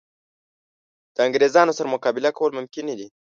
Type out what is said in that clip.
د انګرېزانو سره مقابله کول ممکن نه دي.